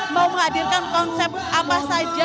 mau menghadirkan konsep apa saja